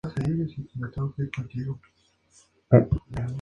Es una especie comercializada en el mercado de acuariofilia.